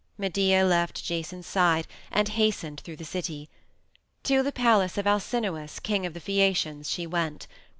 Medea left Jason's side and hastened through the city. To the palace of Alcinous, king of the Phaeacians, she went.